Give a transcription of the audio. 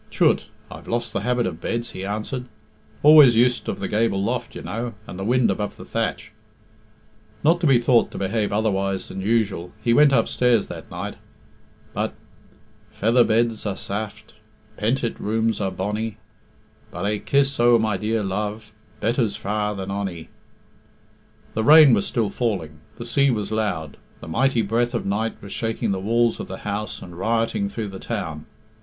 "Chut! I've lost the habit of beds," he answered. "Always used of the gable loft, you know, and the wind above the thatch." Not to be thought to behave otherwise than usual, he went upstairs that night. But "Feather beds are saft, Pentit rooms are bonnie, But ae kiss o' my dear love Better's far than ony." The rain was still falling, the sea was loud, the mighty breath of night was shaking the walls of the house and rioting through the town.